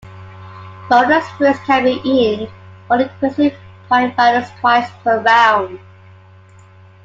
Bonus fruits can be eaten for increasing point values, twice per round.